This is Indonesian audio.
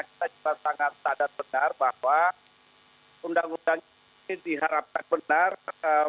kita juga sangat sadar benar bahwa undang undang ini diharapkan benar